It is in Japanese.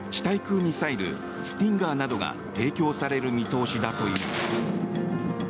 対空ミサイル「スティンガー」などが提供される見通しだという。